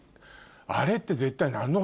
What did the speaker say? あれって絶対。